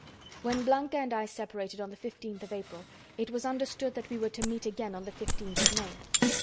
"When Blanca and I separated on the fifteenth of April, it was understood that we were to meet again on the fifteenth of May.